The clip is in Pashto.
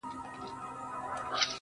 گراني زر واره درتا ځار سمه زه.